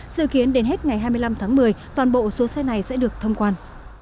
dự kiến đến hết ngày hai mươi năm tháng một mươi toàn bộ số xe này sẽ được thông quan